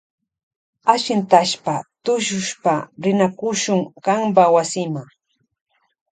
Ashintashpa tushushpa rinakushun kanpa wasima.